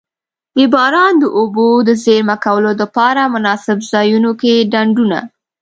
د باران د اوبو د زیرمه کولو دپاره مناسب ځایونو کی ډنډونه.